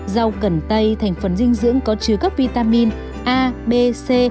rau cần tây thành phần dinh dưỡng có chứa các vitamin a b c